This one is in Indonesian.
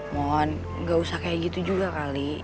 mohon gak usah kayak gitu juga kali